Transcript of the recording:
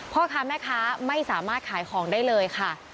พ่อค้าแม่ค้าไม่สามารถขายของได้เลยค่ะ